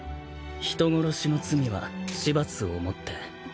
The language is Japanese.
人殺しの罪は死罰をもって。